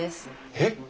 えっ！